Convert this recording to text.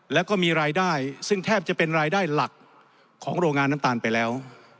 แล้วก็มีรายได้ซึ่งแทบจะเป็นรายได้หลักของโรงงานน้ำตาลไปแล้ว